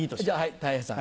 たい平さん。